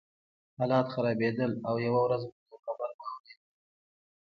حالات خرابېدل او یوه ورځ موږ یو خبر واورېد